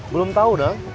belum tahu dong